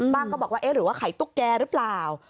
ก็บอกว่าเอ๊ะหรือว่าไข่ตุ๊กแกหรือเปล่า